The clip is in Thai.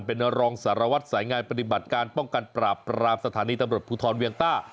เป็นรองสารวัตรสายงานปฏิบัติการป้องกันปราบปรามสถานีตำรวจภูทรเวียงต้า